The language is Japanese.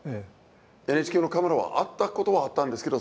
ＮＨＫのカメラはあったことはあったんですけど